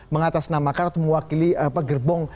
mengatasnamakan atau mewakili gerbong